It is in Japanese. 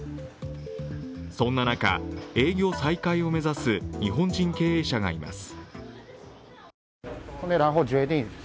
そんな中、営業再開を目指す日本人経営者がいます。